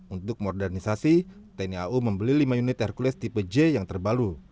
untuk modernisasi tni au membeli lima unit hercules tipe j yang terbalu